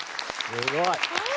すごい。